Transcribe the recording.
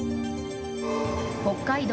北海道